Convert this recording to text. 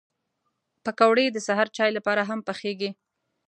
پکورې د سهر چای لپاره هم پخېږي